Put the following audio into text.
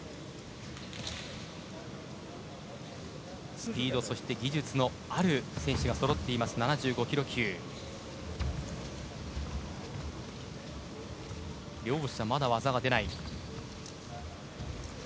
スピードそして技術のある選手がそろっています、７５ｋｇ級。両者まだ技は出ない。